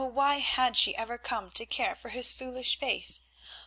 Why had she ever come to care for his foolish face?